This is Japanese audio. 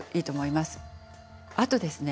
あとですね